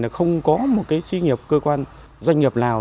nó không có một cái suy nghiệp cơ quan doanh nghiệp nào